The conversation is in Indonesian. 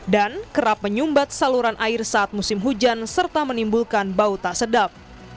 dan kerap menyumbat saluran air saat musim hujan serta menimbulkan bau tak sedap